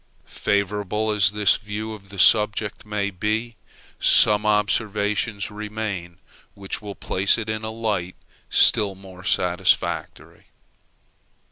Favorable as this view of the subject may be, some observations remain which will place it in a light still more satisfactory.